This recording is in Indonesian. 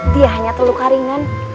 dia hanya terluka ringan